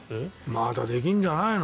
まだできんじゃないの？